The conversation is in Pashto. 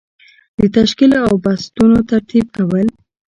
د تشکیل او بستونو ترتیب کول.